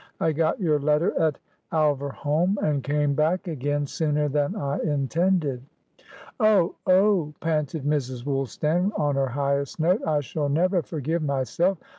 I got your letter at Alverholme, and came back again sooner than I intended." "Oh! Oh!" panted Mrs. Woolstan, on her highest note, "I shall never forgive myself!